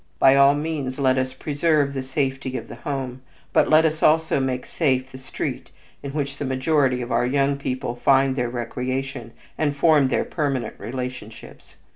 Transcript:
By all means let us preserve the safety of the home, but let us also make safe the street in which the majority of our young people find their recreation and form their permanent relationships.